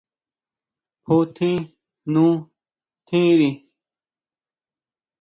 ¿Jútjin nú tjiri?